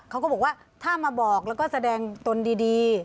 เขาก็บอกว่าถ้ามาบอกแล้วก็แสดงตนดี